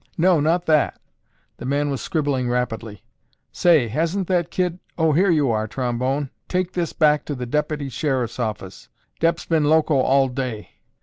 "No, not that." The man was scribbling rapidly. "Say, hasn't that kid—oh, here you are, Trombone. Take this back to the Deputy Sheriff's office. Dep's been loco all day."